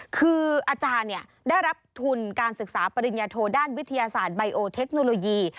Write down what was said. คืออาจารย์ได้รับทุนการศึกษาปริญญาโทด้านวิทยาศาสตร์ไบโอเทคโนโลยี